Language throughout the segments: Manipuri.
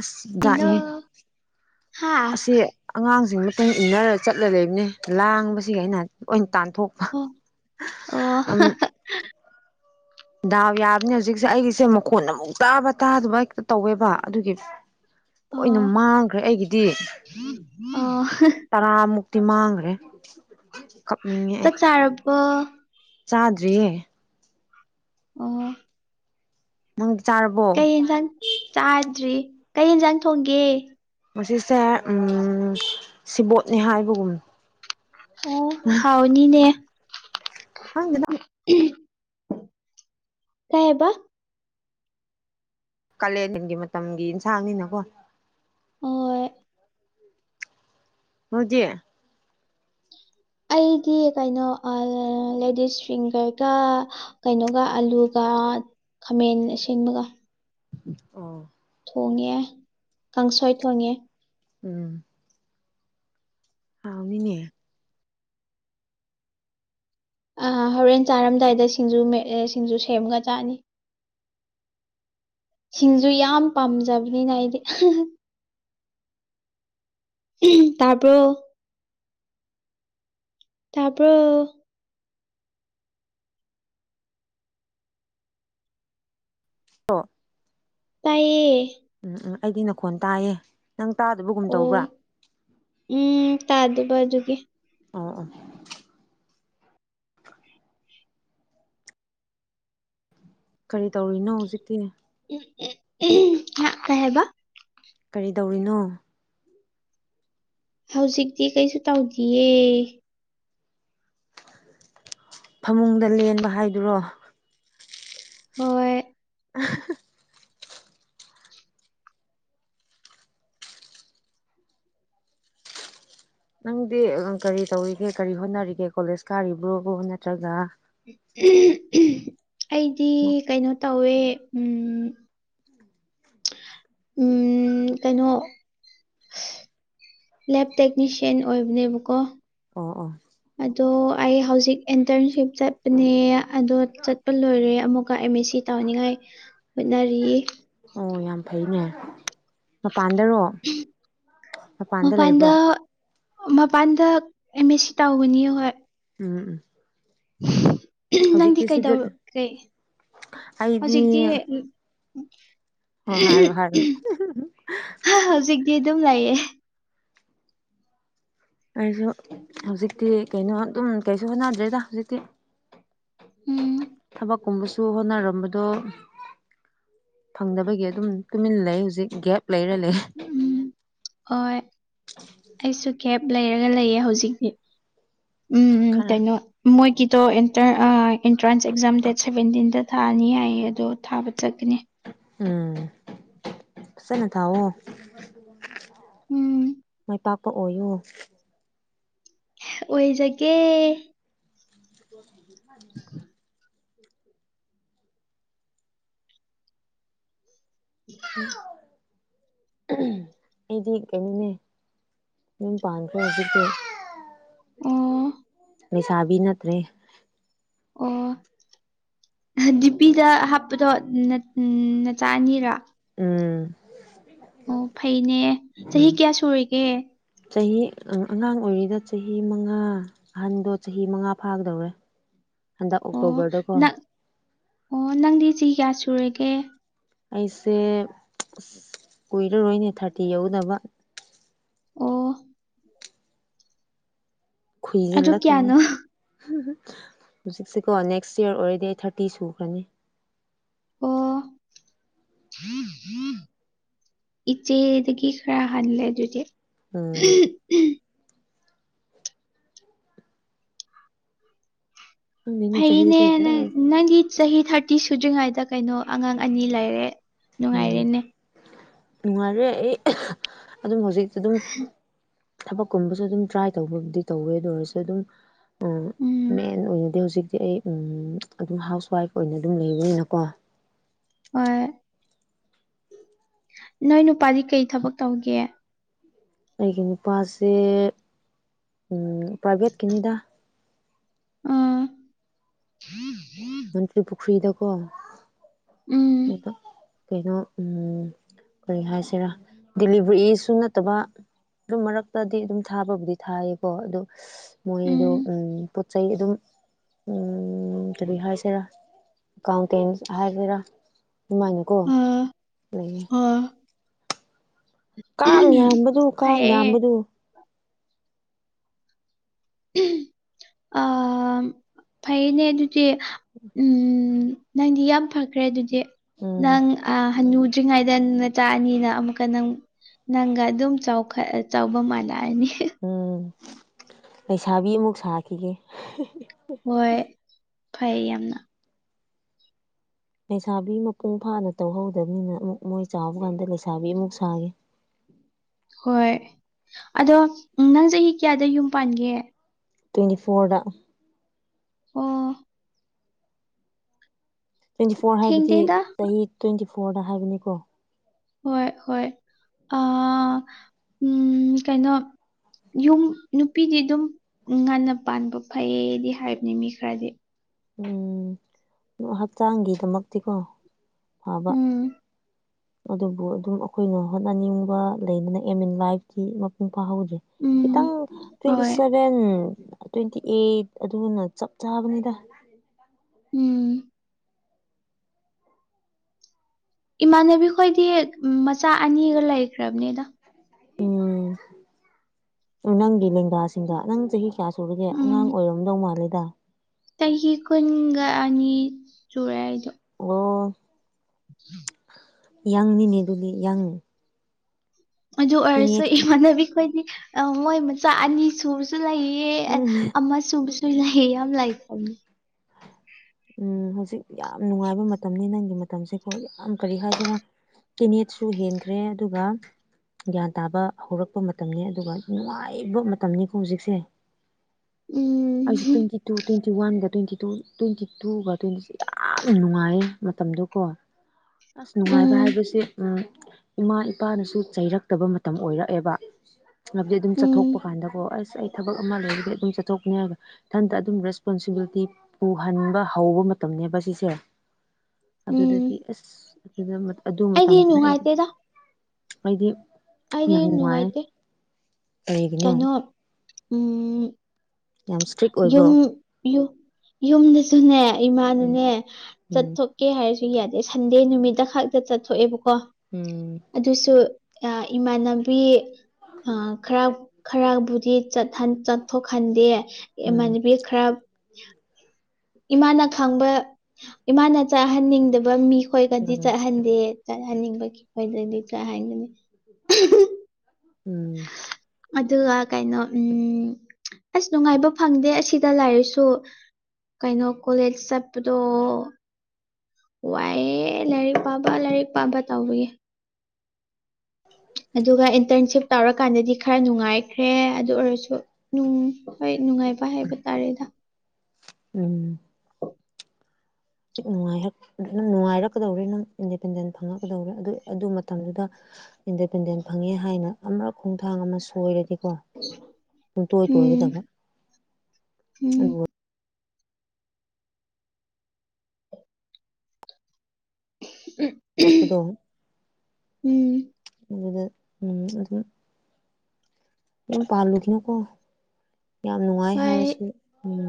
ꯑꯁ ꯀꯩꯅꯣ ꯖꯠꯅꯤꯍꯦ ꯍꯥ ꯑꯁꯤ ꯑꯉꯥꯡꯁꯤꯡ ꯃꯇꯨꯡ ꯏꯟꯅꯔ ꯆꯠꯂ ꯂꯩꯕꯅꯦ ꯂꯥꯡꯕꯁꯤꯒꯤ ꯑꯩꯅ ꯂꯣꯏꯟ ꯇꯥꯟꯊꯣꯛ ꯑꯣ ꯑꯣ [unintelligible] ꯑꯝ ꯗꯥꯎ ꯌꯥꯕꯅꯦ ꯍꯧꯖꯤꯛꯁꯦ ꯑꯩꯒꯤꯁꯦ ꯃꯈꯣꯟ ꯑꯃꯨꯛ ꯇꯥꯕ ꯇꯥꯗꯕ ꯍꯦꯛꯇ ꯇꯧꯋꯦꯕ ꯑꯗꯨꯒꯤ ꯂꯣꯏꯅ ꯑꯣ ꯃꯥꯡꯈ꯭ꯔꯦ ꯑꯩꯒꯤꯗꯤ ꯑꯣ ꯇꯔꯥꯃꯨꯛꯇꯤ ꯃꯥꯡꯒ꯭ꯔꯦ ꯀꯞꯅꯤꯡꯉꯦ ꯑꯩ ꯆꯥꯛ ꯆꯥꯔꯕꯣ ꯆꯥꯗ꯭ꯔꯤꯌꯦ ꯑꯣ ꯅꯪꯗꯤ ꯆꯥꯔꯕꯣ ꯀꯩ ꯌꯦꯟꯖꯥꯡ ꯆꯥꯗ꯭ꯔꯤ ꯀꯩ ꯍꯦꯟꯖꯥꯡ ꯊꯣꯡꯒꯦ ꯍꯧꯖꯤꯛꯁꯦ ꯎꯝ ꯁꯤꯕꯣꯠꯅꯦ ꯍꯥꯏꯕꯒꯨꯝ ꯑꯣ ꯍꯥꯎꯅꯤꯅꯦ ꯈꯪꯗꯦꯗ [unintelligible] ꯀꯩꯑꯕ ꯀꯥꯂꯦꯟꯒꯤ ꯃꯇꯝꯒꯤ ꯏꯟꯁꯥꯡꯅꯤꯅꯀꯣ ꯍꯣꯏ ꯅꯣꯏꯗꯤ ꯑꯩꯗꯤ ꯀꯩꯅꯣ ꯑꯥ ꯂꯦꯗꯤꯁ ꯐꯤꯡꯒꯔꯒꯥ ꯀꯩꯅꯣꯒ ꯑꯂꯨꯒ ꯈꯥꯃꯦꯟ ꯑꯁꯤꯟꯕꯒ ꯑꯣ ꯊꯣꯡꯉꯦ ꯀꯥꯡꯁꯣꯏ ꯊꯣꯡꯉꯦ ꯎꯝ ꯍꯥꯎꯅꯤꯅꯦ ꯑꯥ ꯍꯣꯔꯦꯟ ꯆꯥꯔꯝꯗꯥꯏꯗ ꯁꯤꯡꯖꯨ ꯃꯦꯠ ꯁꯤꯡꯖꯨ ꯁꯦꯝꯃꯒ ꯆꯥꯅꯤ ꯁꯤꯡꯖꯨ ꯌꯥꯝ ꯄꯥꯝꯖꯕꯅꯤꯅ ꯑꯩꯗꯤ ꯎꯝ ꯇꯥꯕ꯭ꯔꯣ ꯇꯥꯕ꯭ꯔꯣ [unintelligible] ꯇꯥꯏꯌꯦ ꯎꯝ ꯎꯝ ꯑꯩꯗꯤ ꯅꯈꯣꯟ ꯇꯥꯏꯌꯦ ꯅꯪ ꯇꯥꯗꯕꯒꯨꯝ ꯇꯧꯕ꯭ꯔꯥ ꯑꯣ ꯎꯝ ꯇꯥꯗꯕ ꯑꯗꯨꯒꯤ ꯑꯣ ꯑꯣ ꯀꯔꯤ ꯇꯧꯔꯤꯅꯣ ꯍꯧꯖꯤꯛꯇꯤ ꯎꯝ ꯎꯝ ꯍꯥ ꯀꯩ ꯍꯥꯏꯕ ꯀꯔꯤ ꯗꯧꯔꯤꯅꯣ ꯍꯧꯖꯤꯛꯇꯤ ꯀꯩꯁꯨ ꯇꯧꯗꯤꯌꯦ ꯐꯃꯨꯡꯗ ꯂꯦꯟꯕ ꯍꯥꯏꯗꯨꯔꯣ ꯍꯣꯏ [unintelligible] ꯅꯪꯗꯤ ꯀꯔꯤ ꯇꯧꯔꯤꯒꯦ ꯀꯔꯤ ꯍꯣꯠꯅꯔꯤꯒꯦ ꯀꯣꯂꯦꯖ ꯀꯥꯔꯤꯕ꯭ꯔꯣ ꯅꯠꯇ꯭ꯔꯒ ꯑꯩꯗꯤ ꯀꯩꯅꯣ ꯇꯧꯋꯦ ꯎꯝ ꯎꯝ ꯀꯩꯅꯣ ꯂꯦꯞ ꯇꯦꯛꯅꯤꯁꯤꯌꯥꯟ ꯑꯣꯏꯕꯅꯦꯕꯀꯣ ꯑꯣ ꯑꯣ ꯑꯗꯣ ꯑꯩ ꯍꯧꯖꯤꯛ ꯑꯦꯟꯇꯔꯟꯁꯤꯞ ꯆꯠꯄꯅꯦ ꯑꯗꯣ ꯆꯠꯄ ꯂꯣꯏꯔꯦ ꯑꯃꯨꯛꯀ ꯑꯦꯝ ꯃꯦꯁꯤ ꯇꯧꯅꯤꯉꯥꯏ ꯍꯣꯠꯅꯔꯤ ꯑꯣ ꯌꯥꯝ ꯐꯩꯅꯦ ꯃꯄꯥꯟꯗꯔꯣ ꯃꯄꯥꯟꯗ ꯃꯄꯥꯟꯗ ꯑꯦꯝ ꯃꯦꯁꯤ ꯇꯧꯒꯅꯤ ꯍꯣꯏ ꯎꯝ ꯎꯝ ꯅꯪꯗꯤ ꯍꯧꯖꯤꯛꯇꯤ ꯁꯤꯗ ꯀꯩꯗꯧ ꯀꯩ ꯑꯩꯗꯤ ꯍꯧꯖꯤꯛꯇꯤ [inaudible] ꯍꯣ ꯍꯥꯏꯔꯣ ꯍꯥꯏꯔꯣ ꯍꯧꯖꯤꯛꯇꯤ ꯑꯗꯨꯝ ꯂꯩꯌꯦ ꯑꯩꯁꯨ ꯍꯧꯖꯤꯛꯇꯤ ꯀꯩꯅꯣ ꯑꯗꯨꯝ ꯀꯩꯁꯨ ꯍꯣꯠꯅꯗ꯭ꯔꯦꯗ ꯍꯧꯖꯤꯛꯇꯤ ꯎꯝ ꯊꯕꯛꯀꯨꯝꯕꯁꯨ ꯍꯣꯠꯅꯔꯝꯕꯗꯣ ꯐꯪꯗꯕꯒꯤ ꯑꯗꯨꯝ ꯇꯨꯃꯤꯟ ꯂꯩ ꯍꯧꯖꯤꯛ ꯒꯦꯞ ꯂꯩꯔ ꯂꯩ ꯎꯝ ꯑꯣꯏ ꯑꯩꯁꯨ ꯒꯦꯞ ꯂꯩꯔꯒ ꯂꯩꯌꯦ ꯍꯧꯖꯤꯛꯇꯤ ꯎꯝ ꯎꯝ ꯈꯔ ꯀꯩꯅꯣ ꯃꯣꯏꯒꯤꯗꯣ ꯑꯦꯟꯇꯔ ꯑ ꯑꯦꯟꯇ꯭ꯔꯥꯟꯁ ꯑꯦꯛꯖꯥꯝ ꯗꯦꯠ ꯁꯚꯦꯟꯇꯤꯟꯗ ꯊꯥꯅꯤ ꯍꯥꯏꯌꯦ ꯑꯗꯣ ꯊꯥꯕ ꯆꯠꯀꯅꯤ ꯎꯝ ꯐꯖꯟꯅ ꯊꯥꯎꯋꯣ ꯎꯝ ꯇꯛꯄꯥ ꯑꯣꯏꯌꯣ ꯑꯣꯏꯖꯒꯦ [unintelligible] ꯑꯩꯗꯤ ꯀꯩꯅꯣꯅꯦ ꯌꯨꯝ ꯄꯥꯟꯈ꯭ꯔꯦ ꯍꯧꯖꯤꯛꯇꯤ ꯑꯣ ꯂꯩꯁꯥꯕꯤ ꯅꯠꯇ꯭ꯔꯦ ꯑꯣ ꯗꯤꯄꯤꯗ ꯍꯥꯞꯄꯗꯣ ꯅꯠ ꯅꯆꯥ ꯑꯅꯤꯔꯥ ꯎꯝ ꯑꯣ ꯐꯩꯅꯦ ꯆꯍꯤ ꯎꯝ ꯀꯌꯥ ꯁꯨꯔꯒꯦ ꯆꯍꯤ ꯑꯉꯥꯡ ꯑꯣꯏꯔꯤꯗ ꯆꯍꯤ ꯃꯉꯥ ꯑꯍꯟꯗꯣ ꯆꯍꯤ ꯃꯉꯥ ꯐꯥꯒꯗꯧꯔꯦ ꯍꯟꯗꯛ ꯑꯣ ꯑꯣꯛꯇꯣꯕꯔꯗꯀꯣ ꯅꯪ ꯑꯣ ꯅꯪꯗꯤ ꯆꯍꯤ ꯀꯌꯥ ꯁꯨꯔꯒꯦ ꯑꯩꯁꯦ ꯀꯨꯏꯔꯔꯣꯏꯅꯦ ꯊꯥꯔꯇꯤ ꯌꯧꯒꯗꯕ ꯑꯣ ꯑꯗꯨ ꯈꯨꯏꯖꯤꯂꯈꯤꯅꯤ ꯀꯌꯥꯅꯣ [unintelligible] ꯍꯨꯖꯤꯛꯁꯤꯀꯣ ꯅꯦꯛꯁ ꯌꯥꯔ ꯑꯣꯏꯔꯗꯤ ꯑꯩ ꯊꯥꯔꯇꯤ ꯁꯨꯈ꯭ꯔꯅꯤ ꯑꯣ ꯏꯆꯦꯗꯒꯤ ꯈꯔ ꯍꯥꯟꯂꯦ ꯑꯗꯨꯗꯤ ꯎꯝ [unintelligible] ꯈꯪꯗꯦꯅꯦ ꯐꯩꯅꯦ ꯆꯍꯤꯁꯦ ꯅꯪ ꯅꯪꯒꯤ ꯆꯍꯤ ꯊꯥꯔꯇꯤ ꯁꯨꯗ꯭ꯔꯤꯉꯩꯗ ꯀꯩꯅꯣ ꯑꯉꯥꯡ ꯑꯅꯤ ꯂꯩꯔꯦ ꯎꯝ ꯅꯨꯡꯉꯥꯏꯔꯦꯅꯦ ꯅꯨꯡꯉꯥꯏꯔꯦ ꯑꯩ ꯑꯗꯨꯝ ꯍꯧꯖꯤꯛꯇꯤ ꯑꯗꯨꯝ ꯊꯕꯛꯀꯨꯝꯕꯁꯨ ꯑꯗꯨꯝ ꯇ꯭ꯔꯥꯏ ꯇꯧꯕꯕꯨꯗꯤ ꯇꯧꯋꯦ ꯑꯗꯨ ꯑꯣꯏꯔꯁꯨ ꯑꯗꯨꯝ ꯎꯝ ꯃꯦꯟ ꯑꯣꯏꯅꯗꯤ ꯍꯧꯖꯤꯛꯇꯤ ꯑꯩ ꯎꯝ ꯑꯗꯨꯝ ꯍꯥꯎꯁ ꯋꯥꯏꯐ ꯑꯣꯏꯅ ꯑꯗꯨꯝ ꯂꯩꯕꯅꯤꯅꯀꯣ ꯍꯣꯏ ꯅꯣꯏ ꯅꯨꯄꯥꯗꯤ ꯀꯩ ꯊꯕꯛ ꯇꯧꯒꯦ ꯑꯩꯒꯤ ꯅꯨꯄꯥꯁꯦ ꯎꯝ ꯄ꯭ꯔꯥꯏꯚꯦꯠꯀꯤꯅꯤꯗ ꯑꯥ [unintelligible] ꯃꯟꯇ꯭ꯔꯤ ꯄꯨꯈ꯭ꯔꯤꯗꯀꯣ ꯎꯝ ꯀꯩꯕ ꯀꯩꯅꯣ ꯎꯝ ꯀꯔꯤ ꯍꯥꯏꯁꯤꯔꯥ ꯗꯤꯂꯤꯕꯔꯤꯁꯨ ꯅꯠꯇꯕ ꯑꯗꯨꯝ ꯃꯔꯛꯇꯗꯤ ꯑꯗꯨꯝ ꯊꯥꯕꯕꯨꯗꯤ ꯊꯥꯏꯌꯦꯀꯣ ꯑꯗꯨ [unintelligible] ꯃꯣꯏꯗꯣ ꯎꯝ ꯄꯣꯠ ꯆꯩ ꯑꯗꯨꯝ ꯎꯝ ꯀꯔꯤ ꯍꯥꯏꯁꯤꯔꯥ ꯑꯦꯀꯥꯎꯟꯇꯦꯟ ꯍꯥꯏꯒꯦꯔꯥ ꯑꯗꯨꯃꯥꯢꯅꯀꯣ ꯑꯥ ꯂꯩꯌꯦ ꯑꯥ ꯀꯥꯡ ꯌꯥꯝꯕꯗꯨ ꯀꯥꯡ ꯐꯩꯌꯦ ꯌꯥꯝꯕꯗꯨ ꯑꯥ ꯐꯩꯅꯦ ꯑꯗꯨꯗꯤ ꯎꯝ ꯅꯪꯗꯤ ꯌꯥꯝ ꯐꯈ꯭ꯔꯦ ꯑꯗꯨꯗꯤ ꯎꯝ ꯅꯪ ꯑꯥ ꯍꯅꯨꯗ꯭ꯔꯤꯉꯩꯗ ꯅꯆꯥ ꯑꯅꯤꯅ ꯑꯃꯨꯛꯀ ꯅꯪ ꯅꯪꯒ ꯑꯗꯨꯝ ꯆꯥꯎꯈꯠ ꯆꯥꯎꯕ ꯃꯥꯟꯅꯔꯅꯤ ꯎꯝ ꯂꯩꯁꯥꯕꯤ ꯑꯃꯨꯛ ꯁꯥꯈꯤꯒꯦ [unintelligible] ꯍꯣꯏ ꯐꯩ ꯌꯥꯝꯅ ꯂꯩꯁꯥꯕꯤ ꯃꯄꯨꯡ ꯐꯥꯅ ꯇꯧꯍꯧꯗꯕꯅꯤꯅ ꯑꯃꯨꯛ ꯃꯣꯏ ꯆꯥꯎꯕ ꯀꯥꯟꯗ ꯂꯩꯁꯥꯕꯤ ꯑꯃꯨꯛ ꯁꯥꯒꯦ ꯍꯣꯏ ꯑꯗꯣ ꯅꯪ ꯆꯍꯤ ꯀꯌꯥꯗ ꯌꯨꯝ ꯄꯥꯟꯒꯦ ꯇ꯭ꯋꯦꯟꯇꯤ ꯐꯣꯔꯗ ꯑꯣ ꯇ꯭ꯋꯦꯟꯇꯤ ꯐꯣꯔ ꯍꯥꯏꯕꯗꯤ ꯊꯦꯡꯗꯦꯗ ꯆꯍꯤ ꯇ꯭ꯋꯦꯟꯇꯤ ꯐꯣꯔꯗ ꯍꯥꯏꯕꯅꯤꯀꯣ ꯍꯣꯏ ꯍꯣꯏ ꯑꯥ ꯎꯝ ꯀꯩꯅꯣ ꯌꯨꯝ ꯅꯨꯄꯤꯗꯤ ꯑꯗꯨꯝ ꯉꯟꯅ ꯄꯥꯟꯕ ꯐꯩꯌꯦꯗꯤ ꯍꯥꯏꯕꯅꯤ ꯃꯤ ꯈꯔꯗꯤ ꯎꯝ ꯍꯛꯆꯥꯡꯒꯤꯗꯃꯛꯇꯤꯀꯣ ꯐꯥꯕ ꯎꯝ ꯑꯗꯨꯕꯨ ꯑꯗꯨꯝ ꯑꯈꯣꯏꯅ ꯍꯣꯠꯅꯅꯤꯡꯕ ꯂꯩꯗꯅ ꯑꯦꯝ ꯏꯟ ꯂꯥꯏꯐꯇꯤ ꯃꯄꯨꯡ ꯐꯥꯍꯧꯗꯦ ꯎꯝ ꯈꯤꯇꯪ ꯇꯋꯦꯟꯇꯤ ꯍꯣꯏ ꯁꯚꯦꯟ ꯁꯚꯦꯟ ꯇ꯭ꯋꯦꯟꯇꯤ ꯑꯩꯠ ꯑꯗꯨꯅ ꯆꯞ ꯆꯥꯕꯅꯤꯗ ꯎꯝ ꯏꯃꯥꯟꯅꯕꯤꯈꯣꯏꯗꯤ ꯃꯆꯥ ꯑꯅꯤꯒ ꯂꯩꯈ꯭ꯔꯝꯅꯦꯗ ꯎꯝ ꯅꯪꯗꯤ ꯂꯦꯡꯒꯥꯁꯤꯡꯗ ꯅꯪ ꯆꯍꯤ ꯀꯌꯥ ꯁꯨꯔꯒꯦ ꯑꯉꯥꯡ ꯎꯝ ꯑꯣꯏꯔꯝꯗꯧ ꯃꯥꯜꯂꯤꯗ ꯆꯍꯤ ꯀꯨꯟꯒ ꯑꯅꯤ ꯆꯨꯔꯦ ꯑꯩꯗꯣ ꯑꯣ [unintelligible] ꯌꯥꯡꯅꯤꯅꯦ ꯑꯗꯨꯗꯤ ꯌꯥꯡ ꯑꯗꯨ ꯑꯣꯏꯔꯁꯨ ꯏꯃꯥꯟꯅꯕꯤ ꯈꯣꯏꯗꯤ ꯃꯣꯏ ꯃꯆꯥ ꯑꯅꯤ ꯁꯨꯔ ꯁꯔꯁꯨ ꯂꯩꯌꯦ ꯎꯝ ꯑꯃ ꯁꯨꯕꯁꯨ ꯂꯩꯌꯦ ꯌꯥꯝ ꯂꯩ ꯎꯝ ꯍꯧꯖꯤꯛ ꯌꯥꯝ ꯅꯨꯡꯉꯥꯏꯕ ꯃꯇꯝꯅꯤ ꯅꯪꯒꯤ ꯃꯇꯝꯁꯦꯀꯣ ꯌꯥꯝ ꯀꯔꯤ ꯍꯥꯏꯁꯤꯔꯥ ꯀꯦꯅꯦꯠꯁꯨ ꯍꯦꯟꯈ꯭ꯔꯦ ꯑꯗꯨꯒ ꯒ꯭ꯌꯥꯟ ꯇꯥꯕ ꯍꯧꯔꯛꯄ ꯃꯇꯝꯅꯤ ꯑꯗꯨꯒ ꯅꯨꯡꯉꯥꯏꯕ ꯃꯇꯝꯅꯤꯀꯣ ꯍꯧꯖꯤꯛꯁꯦ ꯑꯩꯁꯨ ꯎꯝ ꯇ꯭ꯋꯦꯟꯇꯤ ꯇꯨ ꯇ꯭ꯋꯦꯟꯇꯤ ꯋꯥꯟꯒ ꯇ꯭ꯋꯦꯟꯇꯤ ꯇꯨ ꯇ꯭ꯋꯦꯟꯇꯤ ꯇꯨꯒ ꯇ꯭ꯋꯦꯟꯇꯤꯁꯦ ꯌꯥꯝ ꯅꯨꯡꯉꯥꯏ ꯃꯇꯝꯗꯣꯀꯣ ꯑꯁ ꯅꯨꯡꯉꯥꯏꯕ ꯎꯝ ꯍꯥꯏꯕꯁꯤ ꯑꯝ ꯏꯃꯥ ꯏꯄꯥꯅꯁꯨ ꯆꯩꯔꯛꯇꯕ ꯃꯇꯝ ꯑꯣꯏꯔꯛꯑꯦꯕ ꯍꯥꯏꯕꯗꯤ ꯑꯗꯨꯝ ꯎꯝ ꯆꯠꯊꯣꯛꯄ ꯀꯥꯟꯗꯀꯣ ꯑꯁ ꯑꯩ ꯊꯕꯛ ꯑꯃ ꯂꯩꯔꯗꯤ ꯑꯗꯨꯝ ꯆꯠꯊꯣꯛꯀꯅꯤ ꯍꯥꯏꯔꯒ ꯏꯊꯟꯇ ꯑꯗꯨꯝ ꯔꯦꯁꯄꯣꯟꯁꯤꯕꯤꯂꯤꯇꯤ ꯄꯨꯍꯟꯕ ꯍꯧꯕ ꯃꯇꯝꯅꯦꯕ ꯁꯤꯁꯦ ꯎꯝ ꯑꯗꯨꯗꯗꯤ ꯑꯁ ꯑꯗꯨꯃ ꯑꯗꯨ ꯑꯩꯗꯤ ꯃꯇꯝꯗꯨꯗ ꯑꯩ ꯅꯨꯡꯉꯥꯏꯇꯦꯗ ꯑꯩꯗꯤ ꯑꯩꯗꯤ ꯌꯥꯝ ꯅꯨꯡꯉꯥꯏ ꯅꯨꯡꯉꯥꯏꯇꯦ ꯀꯔꯤꯒꯤꯅꯣ ꯀꯩꯅꯣ ꯎꯝ ꯌꯥꯝ ꯏꯁꯇ꯭ꯔꯤꯛ ꯌꯨꯝ ꯑꯣꯏꯕ꯭ꯔꯣ ꯌꯨꯝꯗꯁꯨꯅꯦ ꯎꯝ ꯏꯃꯥꯅꯅꯦ ꯎꯝ ꯆꯠꯊꯣꯛ ꯀꯦ ꯍꯥꯏꯔꯁꯨ ꯌꯥꯗꯦ ꯁꯟꯗꯦ ꯅꯨꯃꯤꯠꯇ ꯈꯛꯇ ꯆꯠꯊꯣꯛꯑꯦꯕꯀꯣ ꯎꯝ ꯑꯗꯨꯁꯨ ꯑꯥ ꯏꯃꯥꯟꯅꯕꯤ ꯑꯥ ꯈꯔ ꯈꯔꯕꯨꯗꯤ ꯆꯠꯍꯟ ꯆꯠꯊꯣꯛꯍꯟꯗꯦ ꯏꯃꯥꯟ ꯅꯕꯤ ꯈꯔ ꯏꯃꯥꯅ ꯈꯪꯕ ꯏꯃꯥꯅ ꯆꯥꯍꯟꯅꯤꯡꯗꯕ ꯎꯝ ꯃꯤꯈꯣꯏꯒꯗꯤ ꯎꯝ ꯆꯠꯍꯟꯗꯦ ꯆꯠꯍꯟꯅꯤꯡꯕꯒꯤ ꯈꯣꯏꯗꯗꯤ ꯆꯠꯍꯟꯒꯅꯤ ꯎꯝ ꯑꯗꯨꯒ ꯀꯩꯅꯣ ꯎꯝ ꯑꯁ ꯅꯨꯡꯉꯥꯏꯕ ꯐꯪꯗꯦ ꯑꯁꯤꯗ ꯂꯩꯔꯁꯨ ꯀꯩꯅꯣ ꯀꯣꯂꯦꯖ ꯆꯠꯄꯗꯣ ꯋꯥꯏꯑꯦ ꯂꯥꯏꯔꯤꯛ ꯄꯥꯕ ꯂꯥꯏꯔꯤꯛ ꯄꯥꯕ ꯇꯧꯕꯒꯤ ꯑꯗꯨꯒ ꯏꯟꯇꯔꯟꯁꯤꯞ ꯇꯧꯔꯀꯥꯟꯗꯗꯤ ꯈꯔ ꯅꯨꯡꯉꯥꯏꯈ꯭ꯔꯦ ꯑꯗꯨ ꯑꯣꯏꯔꯁꯨ ꯅꯨꯡ ꯍꯣꯏ ꯅꯨꯡꯉꯥꯏꯕ ꯍꯥꯏꯕ ꯇꯥꯔꯦꯗ ꯎꯝ ꯅꯨꯡꯉꯥꯏ ꯍꯥꯥꯛ ꯅꯪ ꯅꯨꯡꯉꯥꯏꯔꯛꯀꯗꯧꯔꯦ ꯅꯪ ꯏꯟꯗꯤꯄꯦꯟꯗꯦꯟ ꯐꯪꯉꯛꯀꯗꯧꯔꯦ ꯑꯗꯨ ꯑꯗꯨ ꯃꯇꯝꯗꯨꯗ ꯏꯟꯗꯤꯄꯦꯟꯗꯦꯟ ꯐꯪꯉꯦ ꯍꯥꯏꯅ ꯑꯃꯔꯛ ꯈꯣꯡꯊꯥꯡ ꯑꯃ ꯁꯣꯏꯔꯗꯤꯀꯣ ꯄꯨꯡꯇꯣꯏ ꯎꯝ ꯇꯣꯢꯒꯗꯕ ꯎꯝ ꯑꯗꯨ [inaudible] ꯋꯥꯄꯨꯗꯣ ꯎꯝ ꯑꯗꯨꯗ ꯎꯝ ꯑꯗꯨꯝ ꯌꯨꯝ ꯄꯥꯜꯂꯨꯈꯤꯅꯨ ꯀꯣ ꯌꯥꯝ ꯅꯨꯡꯉꯥꯏ ꯍꯥꯏꯔꯁꯨ ꯍꯣꯏ ꯎꯝ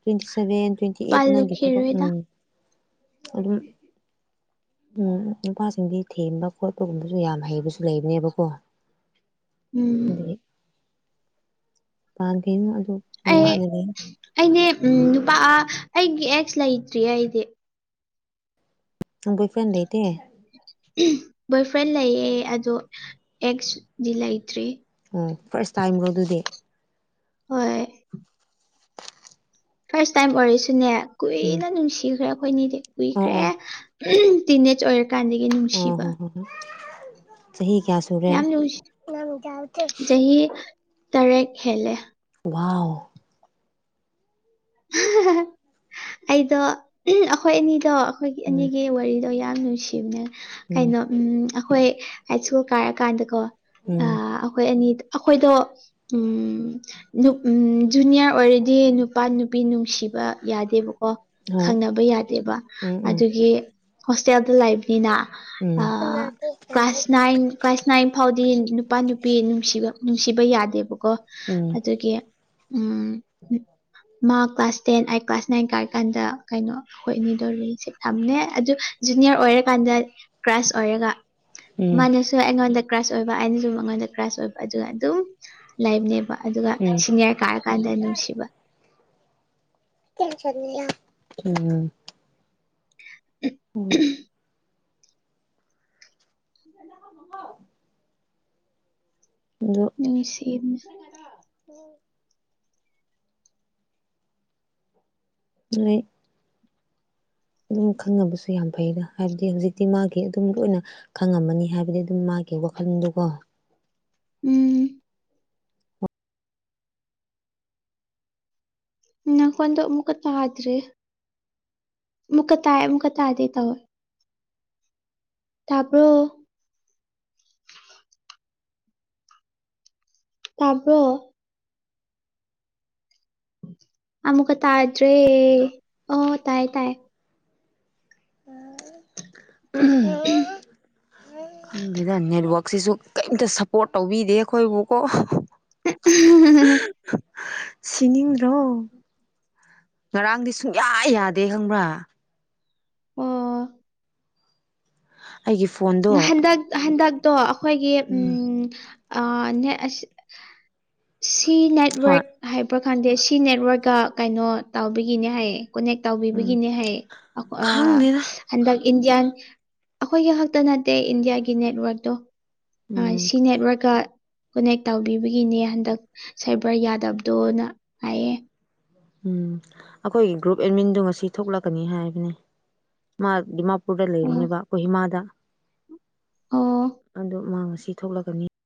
ꯇ꯭ꯋꯦꯟꯇꯤ ꯁꯚꯦꯟ ꯇ꯭ꯋꯦꯟꯇꯤ ꯑꯩꯠ ꯅꯪꯒꯤ ꯊꯕꯛ ꯄꯥꯜꯂꯨꯈꯤꯔꯣꯏꯗ ꯎꯝ ꯑꯗꯨꯝ ꯎꯝ ꯅꯨꯄꯥꯁꯤꯡꯗꯤ ꯊꯦꯝꯕ ꯈꯣꯠꯄꯒꯨꯝꯕꯁꯨ ꯌꯥꯝ ꯍꯩꯕꯁꯨ ꯂꯩꯕꯅꯦꯕꯀꯣ [inaudible] ꯎꯝ ꯄꯥꯟꯒꯦꯅꯨ ꯑꯗꯨ ꯑꯩ ꯅꯨꯡꯉꯥꯏꯅ ꯂꯩ ꯑꯩꯗꯤ ꯅꯨꯄꯥ ꯑ ꯑꯩꯒꯤ ꯑꯦꯛꯁ ꯂꯩꯇ꯭ꯔꯤ ꯑꯩꯗꯤ ꯅꯪ ꯕꯣꯢꯐ꯭ꯔꯦꯟ ꯂꯩꯇꯦ ꯕꯣꯏ ꯐ꯭ꯔꯦꯟ ꯂꯩꯌꯦ ꯑꯗꯣ ꯑꯦꯛꯁꯗꯤ ꯂꯩꯇ꯭ꯔꯤ ꯑꯣ ꯐꯥꯔꯁ ꯇꯥꯏꯝꯔꯣ ꯑꯗꯨꯗꯤ ꯍꯣꯏ ꯐꯥꯔꯁ ꯇꯥꯏꯝ ꯑꯣꯏꯔꯁꯨꯅꯦ ꯎꯝ ꯀꯨꯏꯅ ꯅꯨꯡꯁꯤꯈ꯭ꯔꯦ ꯑꯩꯈꯣꯏꯅꯤꯗꯤ ꯑꯣ ꯀꯨꯏꯈ꯭ꯔꯦ ꯑꯣ ꯇꯤꯅꯦꯆ ꯑꯣꯏꯔꯛ ꯀꯥꯟꯗꯒꯤ ꯑꯣ ꯍꯣ ꯍꯣ ꯍꯣ ꯆꯍꯤ ꯀꯌꯥꯁꯨ ꯌꯥꯝ ꯅꯨꯡꯁꯤ ꯆꯍꯤ ꯇꯔꯦꯠ ꯍꯦꯜꯂꯦ ꯋꯥꯎ ꯍꯥꯍꯥꯍꯥ ꯑꯩꯗꯣ ꯑꯩꯈꯣꯏ ꯑꯅꯤꯗꯣ ꯑꯩꯈꯣꯏꯒꯤ ꯎꯝ ꯑꯅꯤꯒꯤ ꯋꯥꯔꯤꯗꯣ ꯌꯥꯝ ꯅꯨꯡꯁꯤ ꯀꯩꯅꯣ ꯎꯝ ꯑꯩꯈꯣꯏ ꯍꯥꯏ ꯁ꯭ꯀꯨꯜ ꯀꯥꯔꯀꯥꯟꯗꯀꯣ ꯎꯝ ꯑꯥ ꯑꯩꯈꯣꯏ ꯑꯅꯤꯗ ꯑꯈꯣꯏꯗꯣ ꯎꯝ ꯅꯨꯞ ꯑꯝ ꯖꯨꯅꯤꯌꯔ ꯑꯣꯏꯔꯗꯤ ꯅꯨꯄꯥ ꯅꯨꯄꯤ ꯅꯨꯡꯁꯤꯕ ꯌꯥꯗꯦꯕꯀꯣ ꯍꯣꯏ ꯈꯪꯅꯕ ꯌꯥꯗꯦꯕ ꯎꯝ ꯎꯝ ꯑꯗꯨꯒꯤ ꯍꯣꯁꯇꯦꯜꯗ ꯂꯩꯕꯅꯤꯅ ꯎꯝ ꯑꯥ ꯀ꯭ꯂꯥꯁ ꯅꯥꯏꯟ ꯀ꯭ꯂꯥꯁ ꯅꯥꯏꯟ ꯐꯥꯎꯗꯤ ꯅꯨꯄꯥ ꯅꯨꯄꯤ ꯅꯨꯡꯁꯤꯕ ꯅꯨꯡꯁꯤꯕ ꯌꯥꯗꯦꯕꯀꯣ ꯎꯝ ꯑꯗꯨꯒꯤ ꯎꯝ ꯃꯥ ꯀ꯭ꯂꯥꯁ ꯇꯦꯟ ꯑꯩ ꯀ꯭ꯂꯥꯁ ꯅꯏꯟ ꯀꯥꯔꯦ ꯀꯥꯟꯗ ꯀꯩꯅꯣ ꯑꯩꯈꯣꯏ ꯑꯅꯤꯗꯣ ꯔꯤꯂꯦꯁꯟꯁꯤꯞ ꯊꯝꯃꯦ ꯑꯗꯨ ꯖꯨꯅꯤꯌꯔ ꯑꯣꯏꯔꯀꯥꯟꯗ ꯀ꯭ꯔꯥꯁ ꯑꯣꯏꯔꯒ ꯎꯝ ꯃꯥꯅꯁꯨ ꯑꯩꯉꯣꯟꯗ ꯀ꯭ꯔꯥꯁ ꯑꯣꯏꯕ ꯑꯩꯅꯁꯨ ꯃꯉꯣꯟꯗ ꯀ꯭ꯔꯥꯁ ꯑꯣꯏꯕ ꯑꯗꯨꯒ ꯑꯗꯨꯝ ꯂꯥꯏꯕꯅꯦꯕ ꯑꯗꯨꯒ ꯎꯝ ꯁꯤꯅꯤꯌꯥꯔ ꯀꯥꯔꯀꯟꯗ ꯅꯨꯡꯁꯤꯕ [unintelligible] ꯎꯝ ꯎꯝ [inaudible] [unintelligible] ꯅꯨꯡꯁꯤꯕꯅꯦ ꯖꯤꯅꯩ ꯑꯗꯨꯝ ꯈꯪꯅꯕꯁꯨ ꯌꯥꯝ ꯐꯩꯗ ꯍꯥꯢꯕꯗꯤ ꯍꯧꯖꯤꯛꯇꯤ ꯃꯥꯒꯤ ꯑꯗꯨꯝ ꯂꯣꯢꯅ ꯈꯪꯉꯝꯃꯅꯤ ꯍꯥꯢꯕꯗꯤ ꯑꯗꯨꯝ ꯃꯥꯒꯤ ꯋꯥꯈꯜꯗꯣꯀꯣ ꯎꯝ ꯅꯈꯣꯟꯗꯣ ꯑꯃꯨꯛꯀꯥ ꯇꯗ꯭ꯔꯤ ꯑꯃꯨꯛꯀꯥ ꯇꯥꯢ ꯑꯃꯨꯛꯀꯥ ꯇꯥꯗꯦ ꯇꯧꯕ ꯇꯥꯕ꯭ꯔꯣ ꯇꯥꯕ꯭ꯔꯣ ꯑꯃꯨꯛꯀꯥ ꯇꯗ꯭ꯔꯦ ꯑꯣ ꯇꯥꯢ ꯇꯥꯢ ꯑꯝ ꯍꯨꯝ ꯈꯪꯗꯦꯗ ꯅꯦꯠꯋꯥꯛꯁꯤꯖꯨ ꯀꯩꯝꯇꯥ ꯁꯞꯄꯣꯔꯠ ꯇꯧꯕꯤꯗꯦ ꯑꯈꯣꯢꯕꯨꯀꯣ ꯑꯍ ꯍ ꯎꯝ ꯑꯍ ꯍ ꯍ ꯍ ꯍ ꯑꯍ ꯁꯤꯅꯤꯡꯗ꯭ꯔꯣ ꯉꯔꯥꯡꯗꯤ ꯁꯨꯡꯌꯥ ꯌꯥꯗꯦ ꯈꯪꯕ꯭ꯔꯥ ꯑꯣ ꯑꯩꯒꯤ ꯐꯣꯟ ꯍꯟꯗꯛ ꯍꯟꯗꯛꯇꯣ ꯑꯈꯣꯢꯒꯤ ꯎꯝ ꯑꯥ ꯅꯦ ꯑꯁꯤ ꯁꯤ ꯍꯣꯏ ꯅꯦꯠꯋꯥꯔꯛ ꯍꯥꯢꯕ꯭ꯔꯥ ꯈꯪꯗꯦ ꯁꯤ ꯅꯦꯠꯋꯥꯔꯀꯥ ꯀꯩꯅꯣ ꯇꯧꯕꯒꯤꯅꯦ ꯍꯥꯢꯌꯦ ꯀꯣꯅꯦꯛ ꯎꯝ ꯇꯧꯕꯤꯕꯒꯤꯅꯦ ꯍꯥꯢꯌꯦ ꯑꯈꯣ ꯑꯥ ꯈꯪꯗꯦꯗ ꯍꯟꯗꯛ ꯏꯟꯗꯤꯌꯥꯟ ꯑꯈꯣꯢꯒꯤ ꯍꯥꯛ ꯇ ꯅꯠꯇꯦ ꯏꯟꯗꯤꯌꯥꯒꯤ ꯅꯦꯠꯋꯔꯛꯇꯣ ꯑ ꯎꯝ ꯁꯤ ꯅꯦꯠꯋꯥꯔꯛꯀꯥ ꯈꯨꯅꯦꯛ ꯇꯧꯕꯤꯕꯒꯤꯅꯦ ꯍꯟꯗꯛ ꯁꯥꯢꯕꯔ ꯌꯥꯗꯕꯗꯣꯅ ꯍꯥꯢꯌꯦ ꯎꯝ ꯑꯈꯣꯢꯒꯤ ꯒ꯭ꯔꯨꯞ ꯑꯦꯠꯃꯤꯟꯗꯣ ꯉꯁꯤ ꯊꯣꯛꯂꯛꯀꯅꯤ ꯍꯥꯢꯕꯅꯦ ꯃꯥ ꯗꯤꯃꯥꯞ ꯄꯨꯔꯗ ꯑꯣ ꯂꯩꯕꯅꯦꯕ ꯀꯣꯍꯤꯃꯥꯗ ꯑꯣ ꯑꯗꯣ ꯃꯥ ꯉꯁꯤ ꯊꯣꯛꯂꯛꯀꯥꯅꯤ